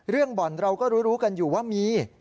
บ่อนเราก็รู้รู้กันอยู่ว่ามี